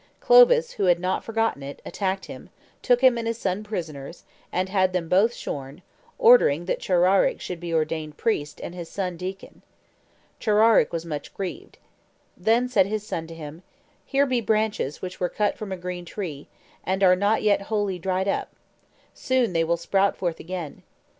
Clovis, who had not forgotten it, attacked him, took him and his son prisoners, and had them both shorn, ordering that Chararic should be ordained priest and his son deacon. Chararic was much grieved. Then said his son to him, "Here be branches which were cut from a green tree, and are not yet wholly dried up: soon they will sprout forth again.